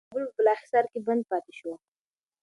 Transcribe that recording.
هغه د کابل په بالاحصار کي بند پاتې شو.